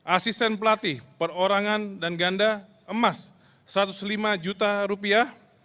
asisten pelatih perorangan dan ganda emas satu ratus lima juta rupiah